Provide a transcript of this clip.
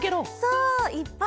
そういっぱい。